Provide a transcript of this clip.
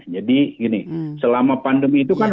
jadi gini selama pandemi itu kan